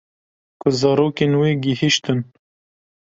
Ku zarokên wê gihîştin